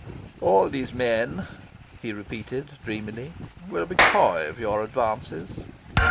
"All these men," he repeated dreamily, "will be coy of your advances."